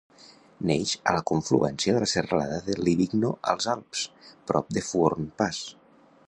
Neix a la confluència de la serralada de Livigno als Alps, prop de Fuorn Pass.